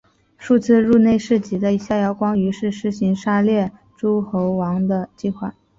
数次入内侍疾的萧遥光于是施行杀戮诸侯王的计划。